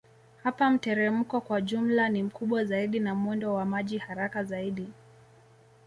Hapa mteremko kwa jumla ni mkubwa zaidi na mwendo wa maji haraka zaidi